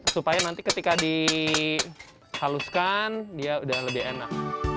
supaya nanti ketika dihaluskan dia udah lebih enak